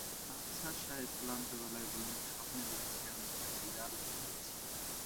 আফসার সাহেব ক্লান্ত গলায় বললেন, স্বপ্নে দেখেছি, আমি একটা বিড়াল হয়ে গেছি।